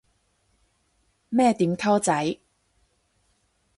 咩點溝仔